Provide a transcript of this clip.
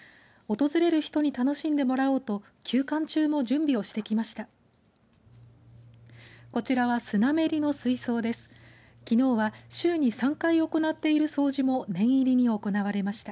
訪れる人に楽しんでもらおうと休館中も準備をしてきました。